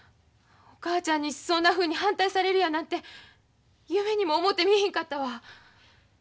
お母ちゃんにそんなふうに反対されるやなんて夢にも思うてみいひんかったわ。